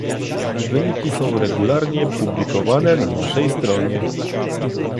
Wyniki są regularnie publikowane na naszej stronie